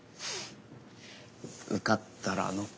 受かったらの。